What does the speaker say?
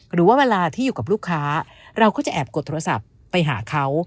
หรือว่าเวลาที่อยู่กับลูกค้าเราก็จะแอบกดโทรศัพท์ไปหาเขา